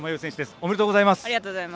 おめでとうございます。